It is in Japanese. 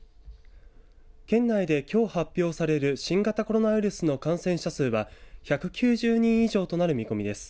県内できょう発表される新型コロナウイルスの感染者数は１９０人以上となる見込みです。